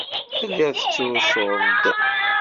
Telliḍ tettrusuḍ-d.